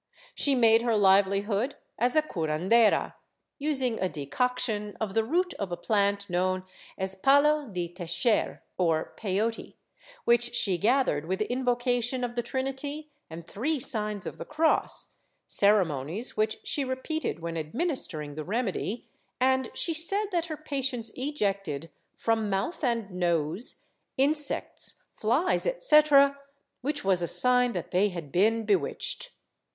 She made her livelihood as a curandera, using a decoc tion of the root of a plant known as palo de Texer or Peijote, w^hich she gathered wdth invocation of the Trinity and three signs of the cross— ceremonies which she repeated w^hen administering the remedy— and she said that her patients ejected, from mouth and nose, insects, flies etc., which was a sign that they had been be witched.